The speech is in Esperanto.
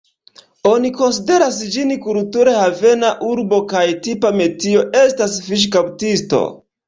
Oni konsideras ĝin kulture havena urbo kaj tipa metio estas fiŝkaptisto.